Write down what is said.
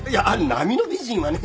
並の美人はね。